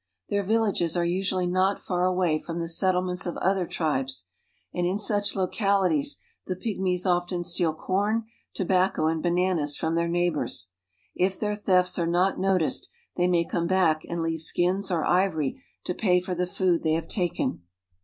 Their villages are usually not far away from the settlements of other tribes, and in such localities the pygmies often steal corn, tobacco, and bananas from their neighbors. If their thefts are not noticed, they may come back and leave skins or ivory to pay for the food they have taken.